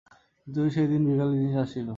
কিন্তু সেই দিন বিকালেই জিনিস আসিল।